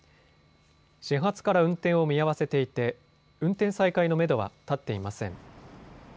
始発から運転を見合わせていて運転再開のめどは立っていません。